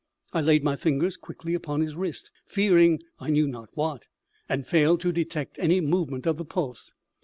I laid my fingers quickly upon his wrist fearing I knew not what, and failed to detect any movement of the pulse.